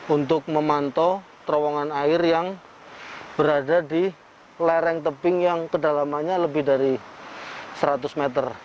untuk memantau terowongan air yang berada di lereng tebing yang kedalamannya lebih dari seratus meter